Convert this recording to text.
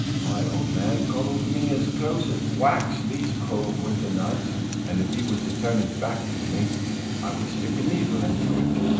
My old man cuddles me as close as wax these cold winter nights, and if he was to turn his back to me I would stick a needle into it.